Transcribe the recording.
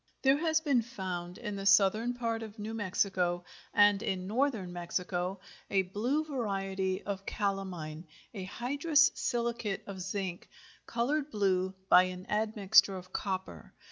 There has been found in the southern part of New Mexico, and in northern Mexico, a blue variety of calamine, a hydrous silicate of zinc, colored blue by an admixture of copper.